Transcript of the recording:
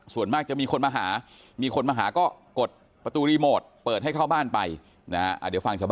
ส่วนมากจะมีคนมาหามีคนมาหาก็กดประตูรีโมทเปิดให้เข้าบ้านไปนะครับ